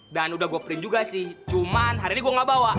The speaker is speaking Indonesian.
dan udah gue print juga sih cuman hari ini gue ga bawa